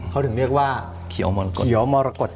เขาถึงเรียกว่าเขียวมรกฏ